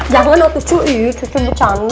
jangan waktu cuy cucu bercanda